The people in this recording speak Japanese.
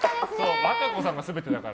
和歌子さんが全てだから。